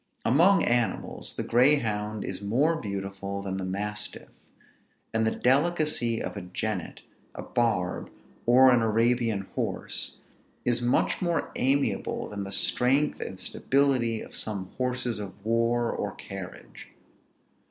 Among animals, the greyhound is more beautiful than the mastiff, and the delicacy of a jennet, a barb, or an Arabian horse, is much more amiable than the strength and stability of some horses of war or carriage.